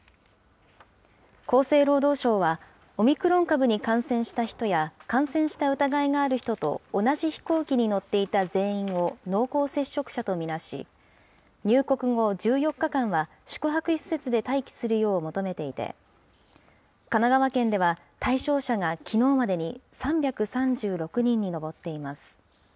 厚生労働省は、オミクロン株に感染した人や、感染した疑いがある人と同じ飛行機に乗っていた全員を濃厚接触者と見なし、入国後１４日間は宿泊施設で待機するよう求めていて、神奈川県では対象者がきのうまでに３３６人に上っています。